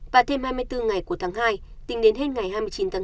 và thêm hai mươi bốn ngày của tháng hai tính đến hết ngày hai mươi chín tháng bốn